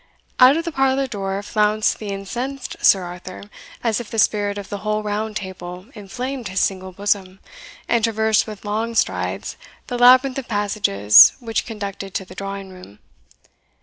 Out of the parlour door flounced the incensed Sir Arthur, as if the spirit of the whole Round Table inflamed his single bosom, and traversed with long strides the labyrinth of passages which conducted to the drawing room.